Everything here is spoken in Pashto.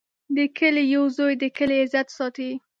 د کلي یو زوی د کلي عزت ساتي.